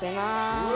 うわ！